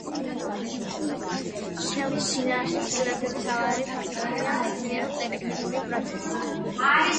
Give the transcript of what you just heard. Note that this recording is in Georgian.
შრომის შინაარსის ცვლილების მთავარი ფაქტორია მეცნიერულ-ტექნიკური პროცესი.